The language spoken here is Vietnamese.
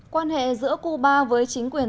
quan hệ giữa cuba với chính quyền